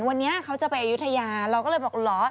วันนี้เขาจะไปอายุทยาเราก็เลยบอกเหรอ